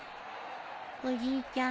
おじいちゃん